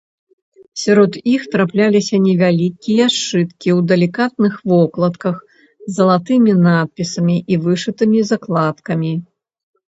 Сярод іх трапляліся невялікія сшыткі ў далікатных вокладках з залатымі надпісамі і вышытымі закладкамі.